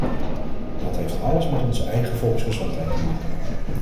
Dat heeft alles met onze eigen volksgezondheid te maken.